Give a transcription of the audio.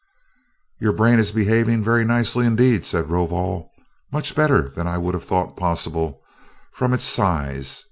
"Your brain is behaving very nicely indeed," said Rovol, "much better than I would have thought possible from its size.